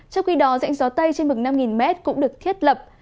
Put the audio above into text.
trong khi đó rãnh gió tây trên mực năm m cũng được thiết lập